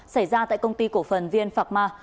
xảy ra tại công ty cổ phần vn phạc ma